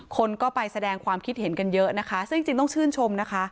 คนก็ไปแสดงความคิดเห็นกันเยอะนะคะซึ่งจริงต้องชื่นชมนะคะ